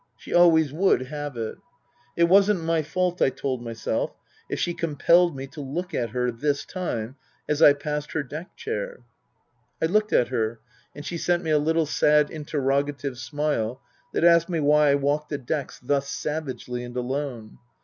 She always would have it. It wasn't my fault, I told myself, if she compelled me to look at her, this time, as I passed her deck chair. I looked at her, and she sent me a little sad interrogative smile that asked me why I walked the decks thus savagely and alone